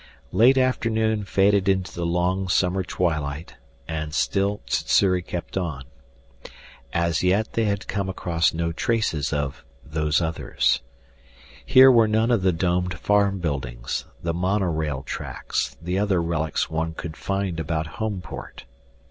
Late afternoon faded into the long summer twilight and still Sssuri kept on. As yet they had come across no traces of Those Others. Here were none of the domed farm buildings, the monorail tracks, the other relics one could find about Homeport.